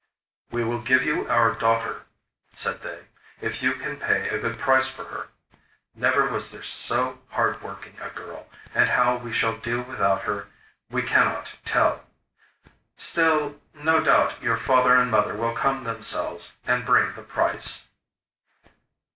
'We will give you our daughter,' said they, 'if you can pay a good price for her. Never was there so hardworking a girl; and how we shall do without her we cannot tell! Still no doubt your father and mother will come themselves and bring the price?